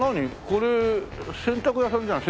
これ洗濯屋さんじゃん。